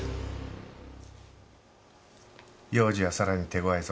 幼児はさらに手ごわいぞ。